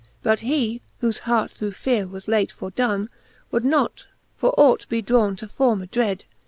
But he, whofe hart through feare was late fordonne. Would not for ought be drawne to former drede.